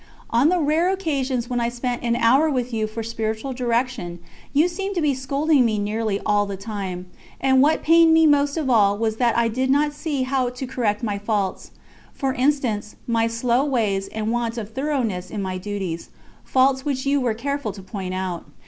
On the rare occasions when I spent an hour with you for spiritual direction, you seemed to be scolding me nearly all the time, and what pained me most of all was that I did not see how to correct my faults: for instance, my slow ways and want of thoroughness in my duties, faults which you were careful to point out.